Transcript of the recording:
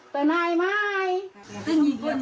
ซื้ออะไรออกมานึง